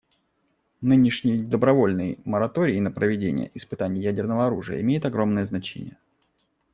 Нынешний добровольный мораторий на проведение испытаний ядерного оружия имеет огромное значение.